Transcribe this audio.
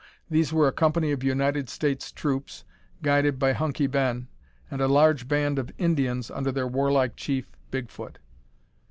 These were a company of United States troops, guided by Hunky Ben, and a large band of Indians under their warlike chief Bigfoot.